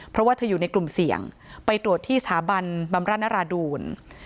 เพราะว่าเธออยู่ในกลุ่มเสี่ยงไปตรวจที่สถาบันบำราชนราดูล